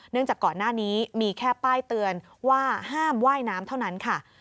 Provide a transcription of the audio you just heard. จากก่อนหน้านี้มีแค่ป้ายเตือนว่าห้ามว่ายน้ำเท่านั้นค่ะ